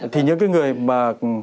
thì những cái người mà